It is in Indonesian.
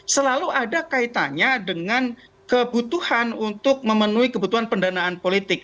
selalu ada kaitannya dengan kebutuhan untuk memenuhi kebutuhan pendanaan politik